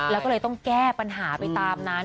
แล้วก็เลยต้องแก้ปัญหาไปตามนั้น